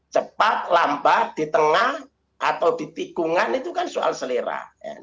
cepat lambat di tengah atau di tikungan itu kan soal selera